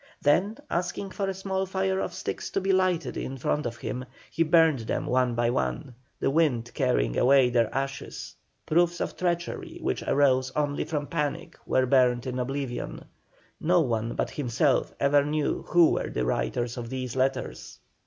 Then asking for a small fire of sticks to be lighted in front of him, he burned them one by one, the wind carrying away their ashes; proofs of treachery which arose only from panic, were buried in oblivion. No one but himself ever knew who were the writers of these letters.